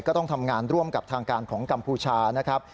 ก็ต้องทำงานร่วมกับทางการของกัมพูชานะครับ